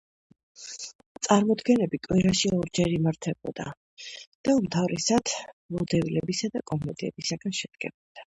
წარმოდგენები კვირაში ორჯერ იმართებოდა და უმთავრესად ვოდევილებისა და კომედიებისაგან შედგებოდა.